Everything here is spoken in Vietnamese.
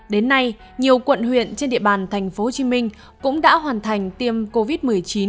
đến nay nhiều quận huyện trên địa bàn tp hcm cũng đã hoàn thành tiêm covid một mươi chín